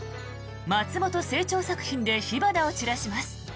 松本清張作品で火花を散らします。